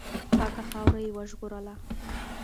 پاکه خاوره یې وژغورله.